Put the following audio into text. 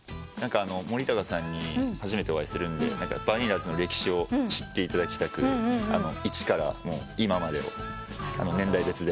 森高さんに初めてお会いするんでバニラズの歴史を知っていただきたく一から今までを年代別で。